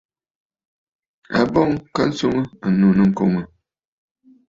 A bɔŋ ka swɔŋ ànnù nɨkoŋǝ̀.